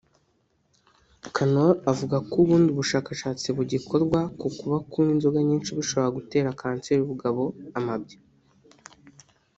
Cannor avuga ko ubundi bushakashatsi bugikorwa ku kuba kunywa inzoga nyinshi bishobora gutera na kanseri y’ubugabo (amabya)